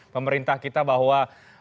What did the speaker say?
pemerintah kita bahwa